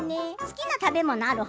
好きな食べ物ある？